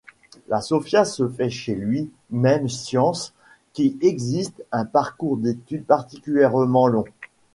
La sophia se fait chez lui-même science qui exige un parcours d’étude particulièrement long.